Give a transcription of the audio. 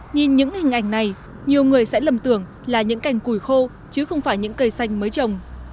nhìn những hình ảnh này nhiều người sẽ lầm tưởng là những cành củi khô chứ không phải những cây xanh mới trồng